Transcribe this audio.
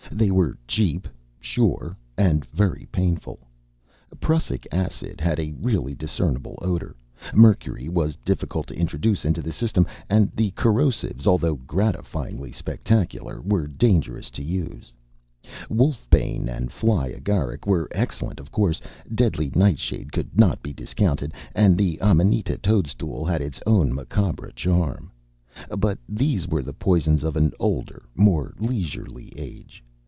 They were cheap, sure, and very painful. Prussic acid had a readily discernible odor, mercury was difficult to introduce into the system, and the corrosives, although gratifyingly spectacular, were dangerous to the user. Wolfsbane and fly agaric were excellent, of course; deadly nightshade could not be discounted, and the amanita toadstool had its own macabre charm. But these were the poisons of an older, more leisurely age.